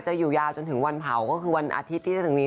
อยู่ยาวจนถึงวันเผาก็คือวันอาทิตย์ที่จะถึงนี้